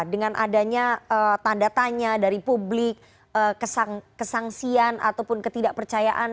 dengan adanya tanda tanya dari publik kesangsian ataupun ketidakpercayaan